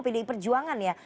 pdi perjuangan ya